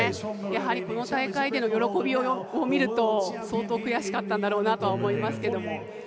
やはりこの大会での喜びを見ると相当悔しかったんだろうなとは思いますけども。